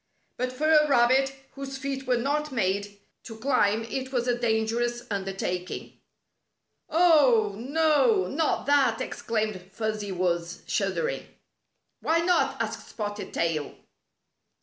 But for a rabbit, whose feet were not made to climb, it was a dangerous undertak ing. "Oh, no, iK)t that!" exclaimed Fuzzy Wuzz, shuddering. A Test of Courage 47 "Why not?" asked Spotted Tail.